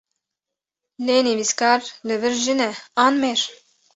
Lê nivîskar li vir jin e, an mêr?